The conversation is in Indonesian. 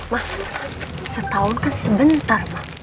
mah setahun kan sebentar mah